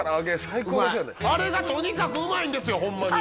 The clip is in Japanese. うまいあれがとにかくうまいんですよホンマに！